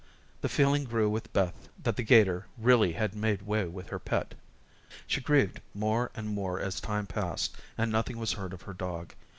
The feeling grew with Beth that the 'gator really had made way with her pet. She grieved more and more as time passed and nothing was heard of her dog.